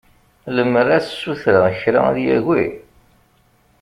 Lemmer ad s-ssutreɣ kra ad yagi?